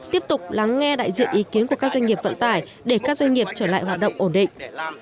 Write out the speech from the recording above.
tiếp tục lắng nghe đại diện ý kiến của các doanh nghiệp vận tải để các doanh nghiệp trở lại hoạt động ổn định